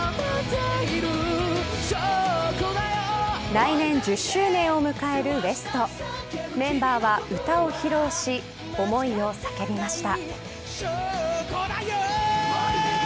来年１０周年を迎えるＷＥＳＴ．メンバーは歌を披露し思いを叫びました。